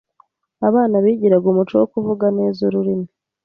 Abana bigiraga umuco wo kuvuga neza ururimi,